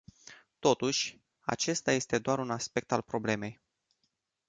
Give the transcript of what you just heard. Totuși, acesta este doar un aspect al problemei.